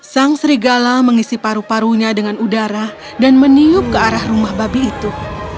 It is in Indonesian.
sang serigala mengisi paru parunya dengan udara dan meniup ke arah rumah babi itu